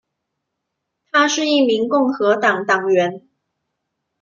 她是一名共和党党员。